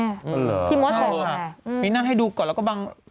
อ๋อเหรอที่มดดำล่ะมีหน้าให้ดูก่อนแล้วก็บาง